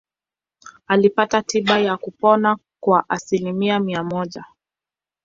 Alipata tiba na kupona kwa asilimia mia moja.